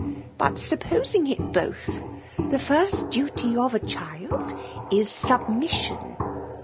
'^ But supposing it both, the first duty of a child is submission."